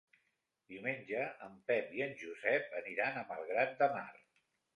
Diumenge en Pep i en Josep aniran a Malgrat de Mar.